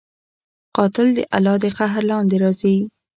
قاتل د الله د قهر لاندې راځي